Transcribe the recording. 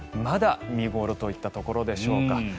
まだ、見頃といったところでしょうか。